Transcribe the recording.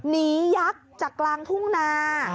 ยักษ์จากกลางทุ่งนา